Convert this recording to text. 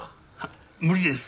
無理です！